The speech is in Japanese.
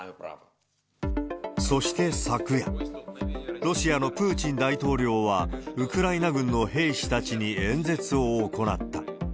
そして昨夜、ロシアのプーチン大統領は、ウクライナ軍の兵士たちに演説を行った。